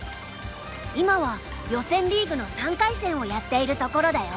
今は予選リーグの３回戦をやっているところだよ。